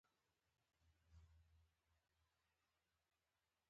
کروندګر د کار له لارې خپل عزت ساتي